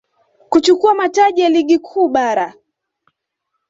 kuchukua mataji ya Ligi Kuu Bara